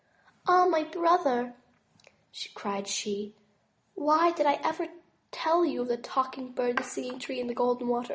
"Ah, my dear brother," cried she, "why did I ever tell you of the Talking Bird, the Singing Tree, and the Golden Water.